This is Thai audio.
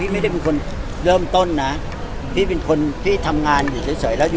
พี่เป็นต้นนะพี่เป็นคนที่ทำงานอยู่เฉยแล้ว